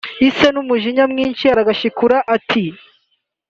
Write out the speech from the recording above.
Ise n’umujinya mwinshi aragashihura ati